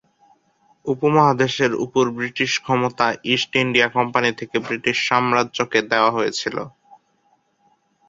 উপমহাদেশের উপর ক্ষমতা ইস্ট ইন্ডিয়া কোম্পানি থেকে ব্রিটিশ সাম্রাজ্যকে দেওয়া হয়েছিল।